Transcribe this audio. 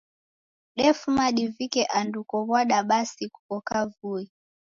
Defuma divike andu kow'ada basi kuko kavui.